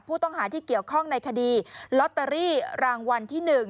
ผู้ต้องหาที่เกี่ยวข้องในคดีลอตเตอรี่รางวัลที่๑